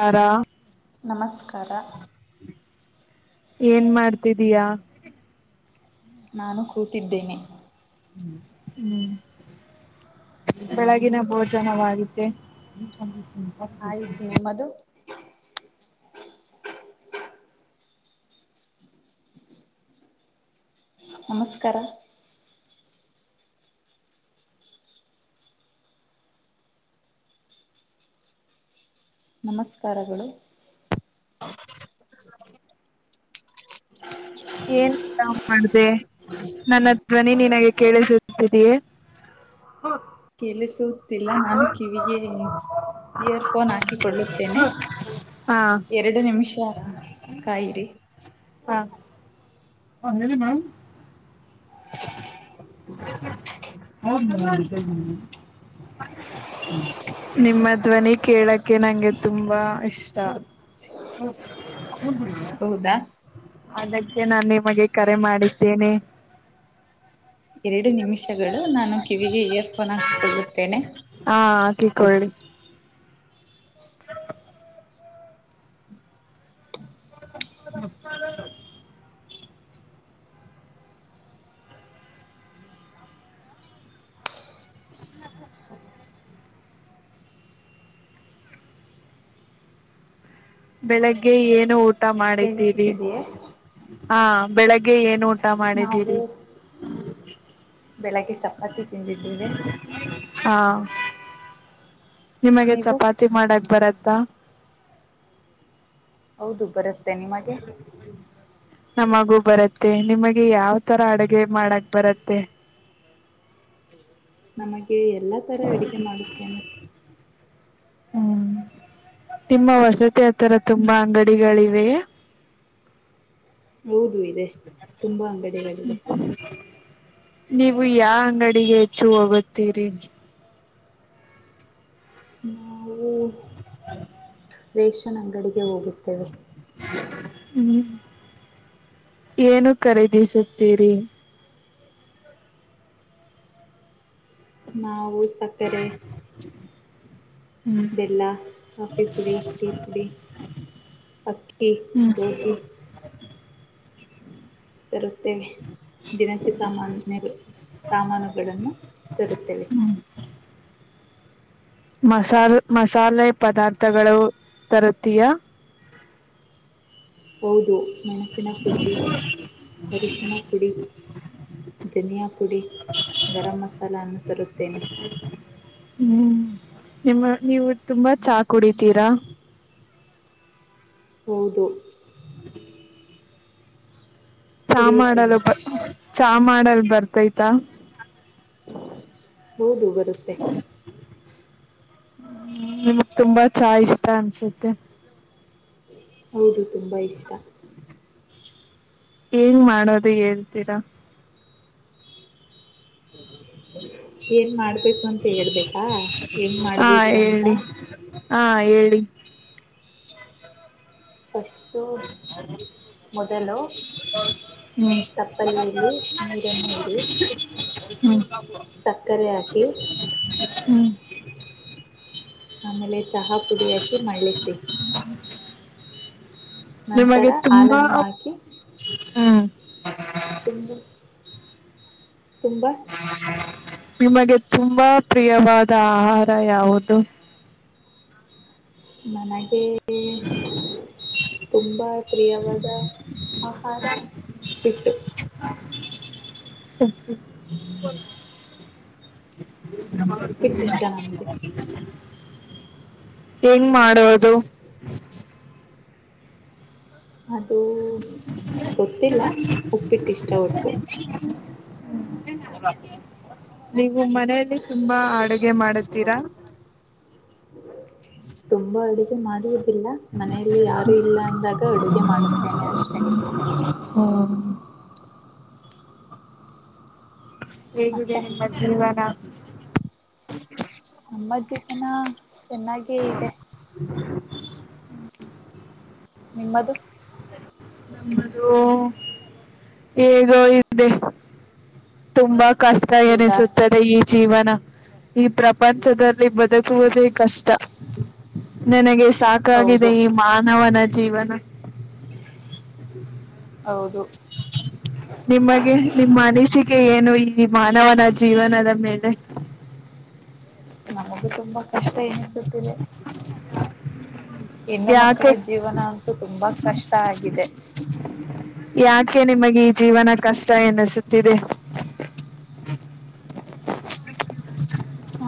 ಕಾರ ನಮಸ್ಕಾರ ಏನ್ ಮಾಡ್ತಿದ್ದೀಯಾ ನಾನು ಕೂತಿದ್ದೇನೆ ಹೂ ಬೆಳಗಿನ ಭೋಜನವಾಗುತ್ತೇ ಆಯ್ತು ನಿಮ್ಮದು ನಮಸ್ಕಾರ ನಮಸ್ಕಾರಗಳು [unintelligible] ಏನ್ಾ ಮಾಡ್ದ ನನ್ನ ಧ್ವನಿ ನಿನಗೆ ಕೇಳಿಸತಿದೀಯೇ ಹೂ ಕೇಳ್ತು ಕೇಳುತ್ತಿಲ್ಲ ನಾನು ಕಿವಿಗೆ ಇಯರ್ಫೋನ್ ಹಾಕಿಕೊಳ್ಳುತ್ತೇನೆ ಹಾ ಎರಡು ನಿಮಿಷ ಕಾಯಿರಿ ಹಾ ಹೇಳಿ ಮ್ಯಾಮ್ ಹೌದ ಅತ ನಿಮ್ಮ ಧ್ವನಿ ಕೇಳಕ್ಕೆೆ ನಂಗೆ ತುಂಬಾ ಇಷ್ಟ ಹೂ ಹೌದಾ ಅದಕ್ಕೆ ನಾನು ನಿಮಗೆ ಕರೆ ಮಾಡಿದ್ದೇನೆ ಎರಡು ನಿಮಿಷಗಳು ನಾನು ಕಿವಿಗೆ ಇಯರ್ಫೋನ್ ಹಾಕಿಕೊಳ್ಳುತ್ತೇನೆ ಹಾ ಹಾಕಿಕೊಳ್ಳಿ [unintelligible] ಬೆಳಗ್ಗೆ ಏನು ಊಟ ಮಾಡಿದ್ದೀರಿ ಕೇಳಿಸುತ್ತಿದೆಯೇ ಹಾ ಬೆಳಗ್ಗೆ ಏನ್ ಊಟ ನಾವು ಮಾಡಿದ್ದೀರಿ ಬೆಳಗ್ಗೆ ಚಪಾತಿ ತಿಂದೇನೆ ಹಾ ನಿಮಗೆ ನೀವು ಚಪಾತಿ ಮಾಡಕ್ ಬರುತಾ ಹೌದು ಬರುತ್ತೆ ನಿಮಗೆ ನಮಗೂ ಬರತ್ತೆ ನಿಮಗೆ ಯಾವ್ ತರ ಅಡಗೆ ಮಾಡಕ್ ಬರತ್ತೆ. [inaudible] ನಮಗೆ ಎಲ್ಲಾ ತರ ಅಡಿಗೆ ಮಾಡುತ್ತೇನೆ. ಹ್ಮ್ ನಿಮ್ಮ ವಸತಿ ಹತ್ತರ ತುಂಬಾ ಅಂಗಡಿಗಳಿವೆಯೆ. ಹೌದು ಇದೆ ತುಂಬಾ ಅಂಗಡಿಗಳಿದೆ. ನೀವು ಯಾವ ಅಂಗಡಿಗೆ ಹೆಚ್ಚು ಹೋಗುತ್ತೀರಿ. ನಾವು ರೇಷನ್ ಅಂಗಡಿಗೆ ಹೋಗುತ್ತೇವೆ. ಹ್ಮ್ ಏನು ಖರೀದಿಸುತ್ತೀರಿ. ನಾವು ಸಕ್ಕರೆ [inaudible] ಹ್ಮ್ ಬೆಲ್ಲ ಕಾಫಿ ಪುಡಿ ಟೀ ಪುಡಿ. ಅಕ್ಕಿ ಹ್ಮ್ ಗೋಧಿ. ತರುತ್ತೇನೆ ದಿನಸಿ ಸಾಮಾನು [unintelligible] ಸಾಮಾನುಗಳನ್ನು ತರುತ್ತೇವೆ. ಮಸಾರ್ ಮಸಾಲೆ ಪದಾರ್ಥಗಳು ತರುತ್ತೀಯಾ. ಹೌದು ಮೆಣಸಿನ ಪುಡಿ ಅರಿಶಿನ ಪುಡಿ. ಧನಿಯಾ ಪುಡಿ ಗರಂ ಮಸಾಲ ಅನ್ನು ತರುತ್ತೇನೆ. ಹ್ಮ್ ನಿಮ್ಮ ನೀವು ತುಂಬಾ ಚಾ ಕುಡಿತೀರಾ. ಹೌದು. [inaudible] ಚಾ ಕುಡಿಯುತ್ತೇನೆ ಮಾಡಲು ಚಾ ಮಾಡಲ್ ಬರ್ತೈತ. ಹೌದು ಬರುತ್ತೆ. ಹ್ಮ ನಿಮಗ್ ತುಂಬಾ ಚಾ ಇಷ್ಟ ಅನ್ಸುತ್ತೆ. ಹೌದು ತುಂಬಾ ಇಷ್ಟ. ಏಂಗ್ ಮಾಡೋದು ಹೇಳ್ತೀರಾ. ಏನ್ ಮಾಡ್ಬೇಕು ಅಂತ ಹೇಳ್ಬೇಕಾ ಹೆಂಗ್ ಹಾ ಮಾಡ್ಬೇಕು ಅಂತ. ಹೇಳಿ ಹಾ ಹೇಳಿ. ಫಸ್ಟು ಮೊದಲು ಹ್ಮ್ ತಪ್ಪಲಿಯಲ್ಲಿ ನೀರನ್ನು ಇಡಿ. ಹ್ಮ್ ಸಕ್ಕರೆ ಹಾಕಿ ಹ್ಮ್. ಆಮೇಲೆ ಚಹಾ ಪುಡಿ ಹಾಕಿ ಮಳ್ಳಿಸಿ. ನಂತರ ನಿಮಗೆ ತುಂಬಾ ಹಾಲನ್ನು ಹಾಕಿ ಹ್ಮ್. ತುಂಬ ತುಂಬ ನಿಮಗೆ ತುಂಬಾ ಪ್ರಿಯವಾದ ಆಹಾರ ಯಾವುದು. ನನಗೆೆ [inaudible] ತುಂಬಾ ಪ್ರಿಯವಾದ ಆಹಾರ ಉಪ್ಪಿಟ್ಟು. ಉಪ್ಪಿಟ್. ಉಪ್ಪಿಟ್ಟು ಇಷ್ಟ ನಮಗೆ [inaudible] ಹೆಂಗ್ ಮಾಡೋದು. ಅದು [inaudible] ಗೊತ್ತಿಲ್ಲ ಹ್ಮ್. ಉಪ್ಪಿಟ್ಟು ಇಷ್ಟ ಒಟ್ಟು ನೀವು ಮನೆಯಲ್ಲಿ ತುಂಬಾ ಅಡುಗೆ ಮಾಡತೀರಾ. ತುಂಬಾ [inaudible] ಅಡುಗೆ ಮಾಡುವುದಿಲ್ಲ ಮನೆಯಲ್ಲಿ ಯಾರು ಇಲ್ಲ ಅಂದಾಗ ಅಡುಗೆ ಮಾಡುತ್ತೇನೆ ಅಷ್ಟೆ. ಹ ಹೇಗಿದೆ ಮತ್ತೆ ನಿಮ್ಮ ಜೀವನ. ನಮ್ಮ ಜೀವನ ಚೆನ್ನಾಗೇ ಇದೆ. ನಿಮ್ಮದು ಹೇಗೋ ಇ್ದೆ ತುಂಬಾ ಕಷ್ಟ ಹೌದಾ ಎನಿಸುತ್ತದೆ ಈ ಜೀವನ ಈ ಪ್ರಪಂಚದಲ್ಲಿ ಬದುಕುವುದೇ ಕಷ್ಟ ನನಗೆ ಸಾಕಾಗಿದೆ ಹೌದು ಈ ಮಾನವನ ಜೀವನ ಹೌದು ನಿಮಗೆ ನಿಮ್ಮ ಅನಿಸಿಕೆ ಏನು ಈ ಮಾನವನ ಜೀವನದ ಮೇಲೆ ನಮಗೂ ತುಂಬಾ ಕಷ್ಟ ಎನಿಸುತ್ತಿದೆ ಹೆಣ್ಣು ಮಕ್ಕಳ ಯಾಕೆ ಜೀವನ ಅಂತೂ ತುಂಬಾ ಕಷ್ಟ ಆಗಿದೆ ಯಾಕೆ ನಿಮಗೆ ಈ ಜೀವನ ಕಷ್ಟ ಎನಿಸುತ್ತಿದೆ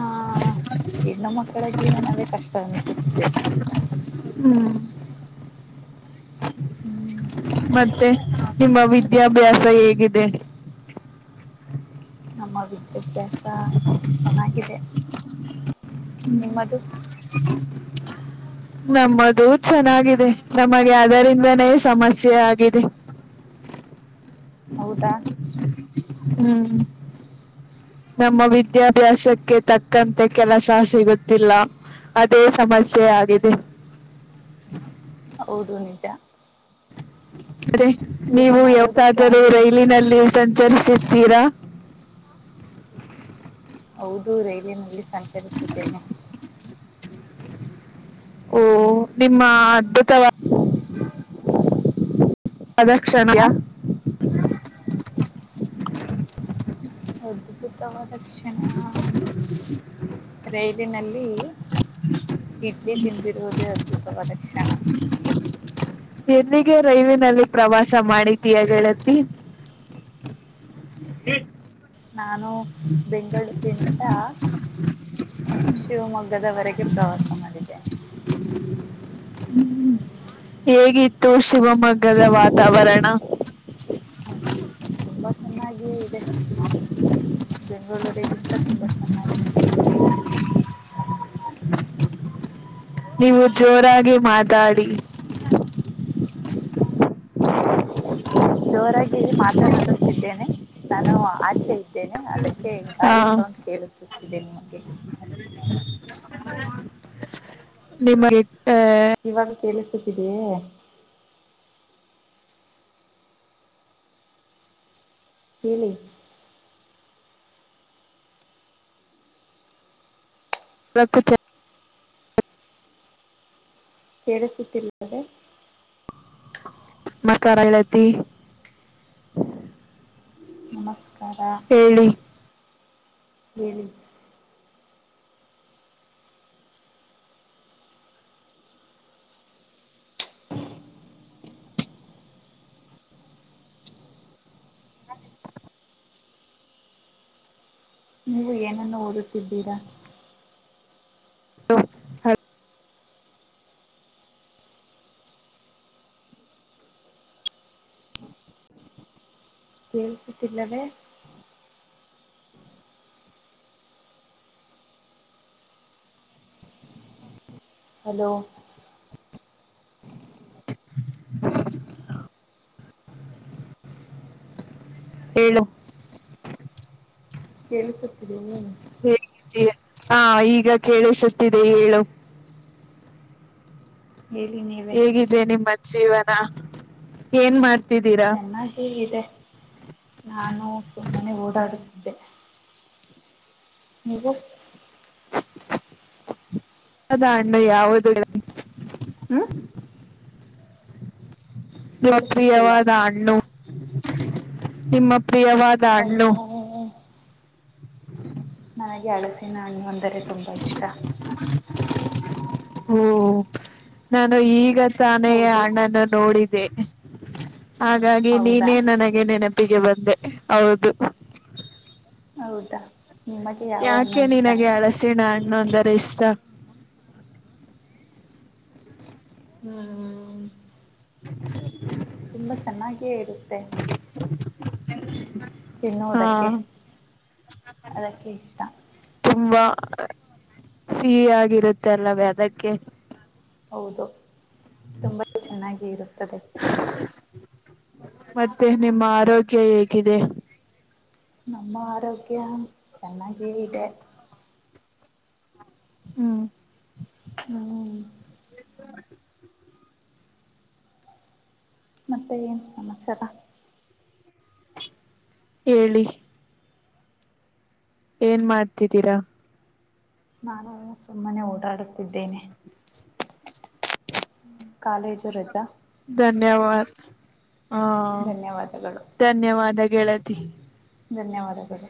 ಆ ಹೆಣ್ಣು ಮಕ್ಕಳ ಜೀವನವೇ ಕಷ್ಟ ಅನಿಸುತ್ತಿದೆ ಹ್ಮ್ ಹ್ಮ್ ಮತ್ತೆ ನಿಮ್ಮ ವಿದ್ಯಾಭ್ಯಾಸ ಹೇಗಿದೆ ನಮ್ಮ ವಿದ್ಯಾಭ್ಯಾಸ ಚೆನ್ನಾಗಿದೆ ನಿಮ್ಮದು ನಮ್ಮದು ಚೆನ್ನಾಗಿದೆ ನಮಗೆ ಅದರಿಂದನೇ ಸಮಸ್ಯೆ ಆಗಿದೆ ಹೌದಾ ಹ್ಮ್ ನಮ್ಮ ವಿದ್ಯಾಭ್ಯಾಸಕ್ಕೆ ತಕ್ಕಂತೆ ಕೆಲಸ ಸಿಗುತ್ತಿಲ್ಲ ಅದೇ ಸಮಸ್ಯೆ ಆಗಿದೆ ಹೌದು ನಿಜ ಅೆ ಏನು ನೀವು ಮಾಡೋದಕ್ಕೆ ಯಾವಕಾದರೂ ಆಗುವುದಿಲ್ಲ ರೈಲಿನಲ್ಲಿ ಸಂಚರಿಸಿದ್ದೀರಾ ಹೌದು ರೈಲಿನಲ್ಲಿ ಸಂಚರಿಸಿದ್ದೇನೆ ಓ ನಿಮ್ಮ ಅದ್ಭುತವಾದ ಅದಕ್ಷ್ಷಮೆಯ ಆ ಅದ್ಭುತವ ದಕ್ಷಿಣ ರೈಲಿನಲ್ಲಿ ಇಡ್ಲಿ ತಿಂದಿರುವುದೇ ಅದ್ಭುತವಾದ ಕಕ್ಷಣ ಎಲ್ಲಿಗೆ ರೈಲ್ವೆಿನಲ್ಲಿ ಪ್ರವಾಸ ಮಾಡಿದೀಯ ಹೇಳತಿ ಹ ನಾನು ಬೆಂಗಳೂರಿನಂದ ಶಿವಮೊಗ್ಗದವರೆಗೆ ಪ್ರವಾಸ ಮಾಡಿದ್ದೇನೆ ಹ್ಮ್ ಹೇಗಿತ್ತು ಶಿವಮೊಗ್ಗದ ವಾತಾವರಣ ತುಂಬಾ ಚೆನ್ನಾಗಿಯೇ ಇದೆ ಬೆಂಗಳೂರಿಗಿಂತ ತುಂಬ ಚೆನ್ನಾಗಿದೆ ನೀವು ಜೋರಾಗಿ ಮಾತಾಡಿ ಜೋರಾಗಿ ಮಾತಾಡಡುತ್ತಿದ್ದೇನೆ ನಾನು ಆಚೆ ಇ ೇ ಅದಕ್ಕೆ ಆ ಗಾಳಿ ಸೌಂಡ್ ಕೇಳಿಸುತ್ತಿದೆ ನಿಮಗೆ ನಿಮಗೆ ಆ, ಇವಾಗ ಕೇಳಿಸುತ್ತಿದೇಯೇ. ಹೇಳೇಳಿ ರಪ್ಪು ಕೇಳಿಸುತ್ತಿಲ್ಲದೆ ಮ ಕರಳತಿ ನಮಸ್ಕಾರ ಹ್ಮನು ಹ ನೀವು ಏನನ್ನು ಓದುತ್ತಿದ್ದೀರಾ ಹಲ ಹಲ್ ಕೇಳಿಸುತ್ತಿಲ್ಲವೆ. ಹಲೋ. ಹೇಳು. ಕೇಳಿಸುತ್ತಿದೆಯೇ. ಹೇಗಿದ್ದೀಯಾ ಹಾ ಈಗ ಕೇಳಿಸುತ್ತಿದೆ ಹೇಳು. ಹೇಳಿ ನೀವೇ ಹೇಗಿದೆ ನಿಮ್ಮ್ ಜೀವನ ಏನ್ ಮಾಡ್ತ ಚೆನ್ನಾಗಿ ಇದೆ. ನಾನು ಸುಮ್ಮನೆ ಓಡಾಡುತ್ತಿದ್ದೆ. ನೀವೂ. ಅದ ಅಣ್ಣ ಯಾವುದು ಹ್ಮ ನಿಮ್ಮ ಕೇಳಿಸುತ್ತಿಲ್ಲ ಪ್ರಿಯವಾದ ಹಣ್ಣು ನಿಮ್ಮ ಪ್ರಿಯವಾದ ಹಣ್ಣು. ನನಗೆ ಅಳಸಿನ ಹಣ್ಣು ಅಂದರೆ ತುಂಬಾ ಇಷ್ಟ. ಓ ನಾನು ಈಗ ತಾನೇ ಆ ಹೌದು ಅಣ್ಣನ್ನು ನೋಡಿದೇ. ಹಾಗಾಗಿ ಹೌದಾ ನೀನೇ ನನಗೆ ನೆನಪಿಗೆ ಬಂದೆ. ಹೌದು. ಹೌದಾ. ನಿಮಗೆ ಯಾವ ಹಣ್ಣು ಯಾಕೆ ಇಷ್ಟ ನಿನಗೆ ಅಳಸಿಣ ಹಣ್ಣು ಅಂದರೆ ಇಷ್ಟ. ಹ್ಮ್ [unintelligible] ತುಂಬಾ ಚೆನ್ನಾಗಿಯೇ ಇರುತ್ತೆ. [unintelligible] ಹಾ ತಿನ್ನುವುದಕ್ಕೆ ಅದಕ್ಕೆ ಇಷ್ಟ ತುಂಬಾ ಸಿಹಿಯಾಗಿರುತ್ತೆ ಅಲ್ಲವೇ ಅದಕ್ಕೆ. ಹೌದು ತುಂಬಾ ಚೆನ್ನಾಗಿ ಇರುತ್ತದೆ. ಮತ್ತೆ ನಿಮ್ಮ ಆರೋಗ್ಯ ಹೇಗಿದೆ. ನಮ್ಮ ಆರೋಗ್ಯ ಚೆನ್ನಾಗೆ ಇದೆ. ಹ್ಮ ಹ್ಮ ಮತ್ತೆ ಏನ್ ಸಮಾಚಾರ. ಹೇಳಿ. ಏನ್ ಮಾಡ್ತಿದ್ದೀರಾ. ನಾನು ಸುಮ್ಮನೆ ಓಡಾಡುತ್ತಿದ್ದೇನೆ. ಕಾಲೇಜು ರಜಾ. ಧನ್ಯವಾದ ಹಾ ಧನ್ಯವಾದಗಳು ಧನ್ಯವಾದ ಗೆಳತಿ. ಧನ್ಯವಾದಗಳು.